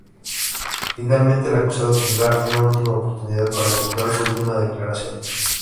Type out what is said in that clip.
Finalmente, el acusado tendrá una última oportunidad para efectuar su última declaración.